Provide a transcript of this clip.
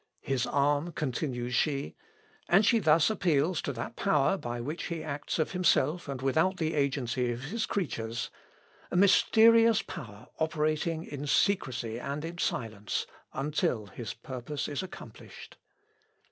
'His arm,' continues she, and she thus appeals to that power by which he acts of himself, and without the agency of his creatures a mysterious power operating in secrecy and in silence, until his purpose is accomplished.